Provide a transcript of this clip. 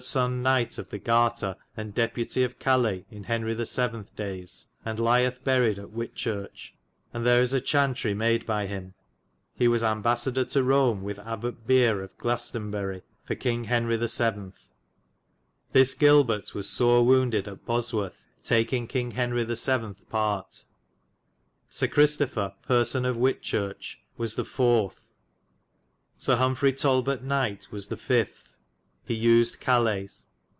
sonn Knyght of the Gartar and Depute of Calays in Henry the 7. dayes, and lyeth buried at White churche, and there is a chauntery made by hym. He was embassador to Rome with Abbat Bere of Glesteinbyri for Kynge Henry the 7. This Gilbert was sore woundyd at Bosworthe, takynge Kynge Henry the 7. parte. Syr Christopher, persone of Whitechurche was the 4. Syr Humfrey Talbote Knyght was the 5. He usyd Calays.